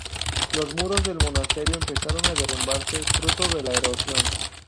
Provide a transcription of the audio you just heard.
Los muros del monasterio empezaron a derrumbarse fruto de la erosión.